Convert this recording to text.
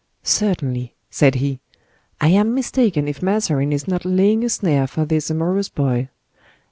"Certainly!" said he, "I am mistaken if Mazarin is not laying a snare for this amorous boy.